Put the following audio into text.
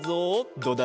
どうだ？